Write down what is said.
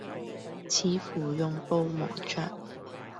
似乎用布蒙着；